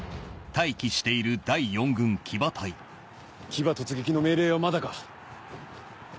騎馬突撃の命令はまだか。